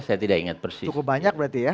saya tidak ingat cukup banyak berarti ya